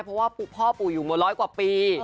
เพราะว่าพ่อปู่อยู่มาร้อยกว่าปี